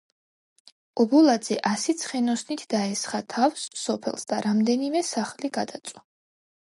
ობოლაძე ასი ცხენოსნით დაესხა თავს სოფელს და რამდენიმე სახლი გადაწვა.